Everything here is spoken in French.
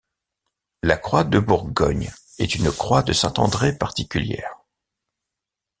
La croix de Bourgogne est une croix de saint André particulière.